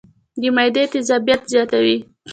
د معدې تېزابيت زياتوي